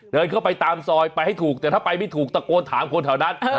เดินเข้าไปตามซอยไปให้ถูกแต่ถ้าไปไม่ถูกตะโกนถามคนแถวนั้น